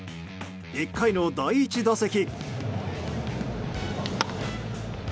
１回の第１打席。